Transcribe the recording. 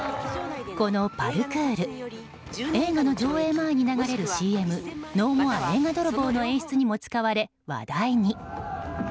このパルクール映画の上映前に流れるＣＭ「ＮＯＭＯＲＥ映画泥棒」の演出にも使われ、話題に。